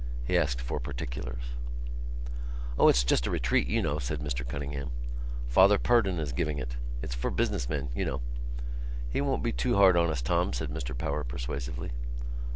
He asked for particulars. "O, it's just a retreat, you know," said Mr Cunningham. "Father Purdon is giving it. It's for business men, you know." "He won't be too hard on us, Tom," said Mr Power persuasively.